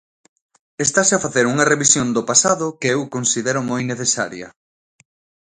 Estase a facer unha revisión do pasado que eu considero moi necesaria.